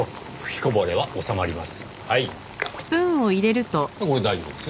これで大丈夫ですよ。